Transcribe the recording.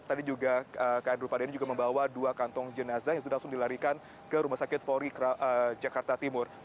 tadi juga kadrupa denn juga membawa dua kantong jenazah yang sudah langsung dilarikan ke rumah sakit polri jakarta timur